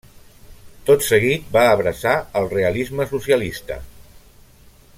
Tot seguit va abraçar el realisme socialista.